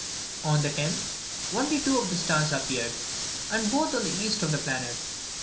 On the 10th, two only of the stars appeared, and both on the east of the planet.